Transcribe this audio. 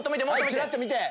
ちらっと見て！